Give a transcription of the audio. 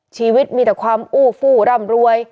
ชีวิตมีแต่ความอู้ฟู้ร่ำรวย